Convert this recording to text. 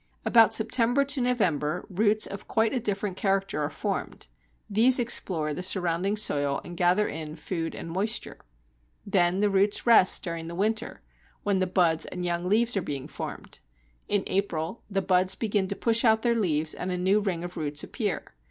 About September to November, roots of quite a different character are formed; these explore the surrounding soil and gather in food and moisture. Then the roots rest during the winter, when the buds and young leaves are being formed. In April the buds begin to push out their leaves and a new ring of roots appear.